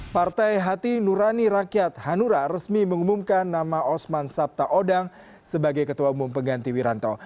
partai hati nurani rakyat hanura resmi mengumumkan nama osman sabta odang sebagai ketua umum pengganti wiranto